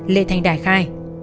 lê thanh đài khai